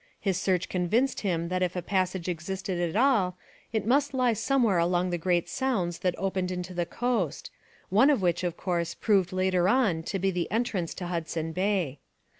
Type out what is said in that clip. His search convinced him that if a passage existed at all it must lie somewhere among the great sounds that opened into the coast, one of which, of course, proved later on to be the entrance to Hudson Bay.